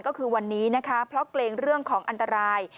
ก็คือวันนี้นะคะเพราะเกรงเรื่องของอันตราย